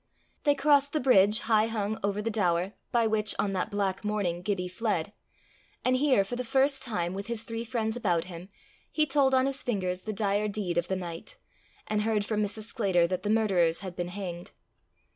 They crossed the bridge, high hung over the Daur, by which on that black morning Gibbie fled; and here for the first time, with his three friends about him, he told on his fingers the dire deed of the night, and heard from Mrs. Sclater that the murderers had been hanged.